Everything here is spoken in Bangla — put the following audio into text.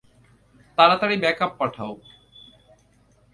তাড়াতাড়ি ব্যাক-আপ পাঠাও।